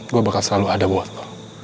gue bakal selalu ada buat kok